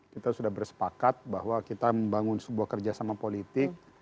kita sudah bersepakat bahwa kita membangun sebuah kerjasama politik